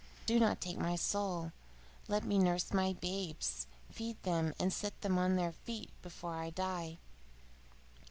Do not take my soul! Let me nurse my babes, feed them, and set them on their feet before I die.